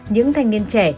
những thành viên trẻ